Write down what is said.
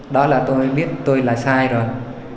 đó là tôi biết tôi là sai rồi